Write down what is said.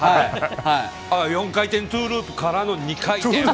４回転トゥーループからの２回転。